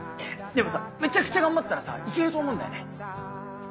でもさめちゃくちゃ頑張ったらさいけると思うんだよね。